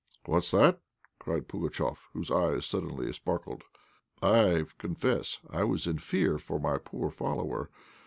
"What's that?" cried Pugatchéf, whose eyes suddenly sparkled. I confess I was in fear for my poor follower.